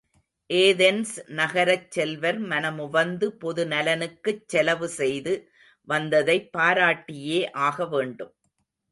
Athens நகரச் செல்வர் மனமுவந்து பொது நலனுக்குச் செலவு செய்து வந்ததைப் பாராட்டியே ஆகவேண்டும்.